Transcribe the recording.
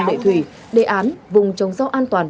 lệ thủy đề án vùng trồng rau an toàn